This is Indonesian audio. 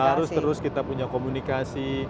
harus terus kita punya komunikasi